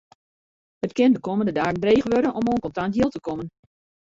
It kin de kommende dagen dreech wurde om oan kontant jild te kommen.